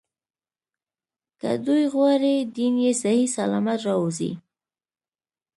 که دوی غواړي دین یې صحیح سلامت راووځي.